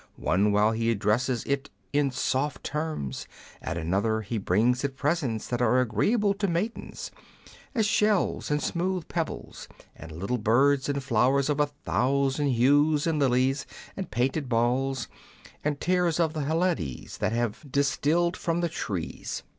One while he addresses it in soft terms, at another he brings it presents that are agreeable to maidens, as shells, and smooth pebbles, and little birds, and flowers of a thousand hues, and lilies, and painted balls, and tears of the Heliades, that have 107 Curiosities of Olden Times distilled from the trees.